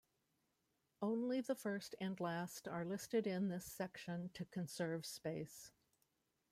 Only the first and last are listed in this section to conserve space.